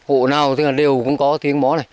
hộ nào tức là đều cũng có tiếng bó này